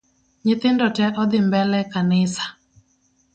Nyithindo tee odhii mbele kanisa